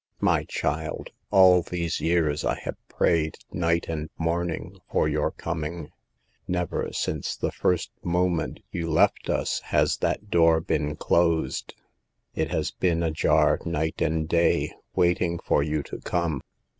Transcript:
My child, all these years I have prayed, night and morning, for your coming. Never since the first moment you left us, has that door been closed. It has been ajar night and day, waiting for you to come.